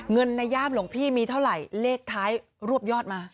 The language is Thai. เงินในย่ามหลวงพี่มีเท่าไหร่เลขท้ายรวบยอดมา